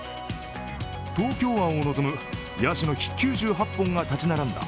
東京湾を望むやしの木９８本が立ち並んだ